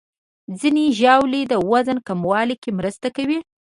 ځینې ژاولې د وزن کمولو کې مرسته کوي.